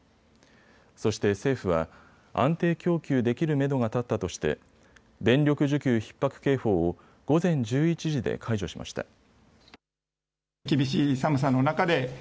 そして政府は安定供給できるめどが立ったとして電力需給ひっ迫警報を午前１１時で解除しました。